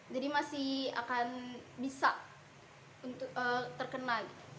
jadi masih akan bisa terkena